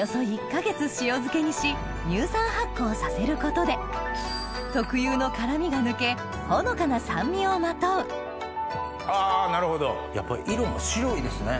１か月。をさせることで特有の辛みが抜けほのかな酸味をまとうあぁなるほどやっぱり色も白いですね。